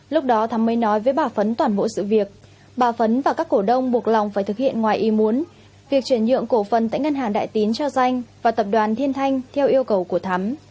lúc đó thám mới nói với bảo phấn toàn bộ sự việc bảo phấn và các cổ đông buộc lòng phải thực hiện ngoài ý muốn việc chuyển nhượng cổ phân tại ngân hàng đại tín cho danh và tập đoàn thiên thanh theo yêu cầu của thám